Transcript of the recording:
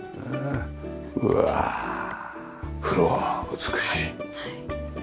うわフロア美しい。